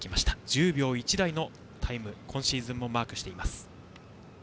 １０秒１台のタイムを今シーズンもマークしています。